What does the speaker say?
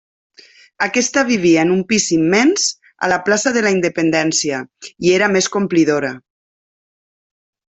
Aquesta vivia en un pis immens, a la plaça de la Independència i era més complidora.